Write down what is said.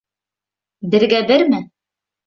Бергә-берме?